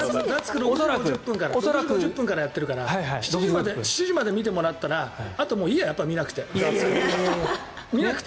６時５０分からやってるから７時まで見てもらったらあとやっぱりいいや、見なくて。